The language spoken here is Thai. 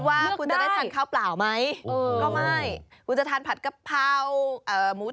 โอ้โฮเลือกได้